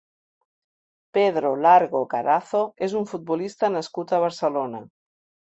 Pedro Largo Carazo és un futbolista nascut a Barcelona.